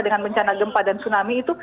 dengan bencana gempa dan tsunami itu